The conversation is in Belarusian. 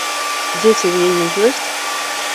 Дзеці ў яе ёсць?